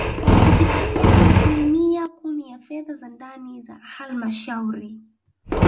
kupitia asilimia kumi ya fedha za ndani za Halmashauri